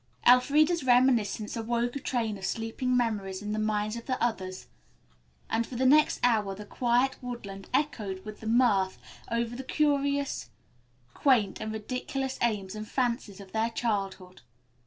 Elfreda's reminiscence awoke a train of sleeping memories in the minds of the others, and for the next hour the quiet woodland echoed with their mirth over the curious, quaint and ridiculous aims and fancies of their childhood.